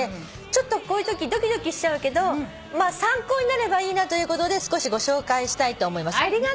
ちょっとこういうときドキドキしちゃうけど参考になればいいなということで少しご紹介したいと思います。